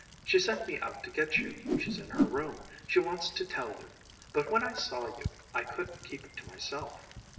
"She sent me out to get you. She's in her room she wants to tell you but when I saw you, I couldn't keep it to myself."